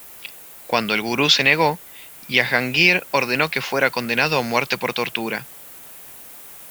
Cuando el Gurú se negó, Jahangir ordenó que fuera condenado a muerte por tortura.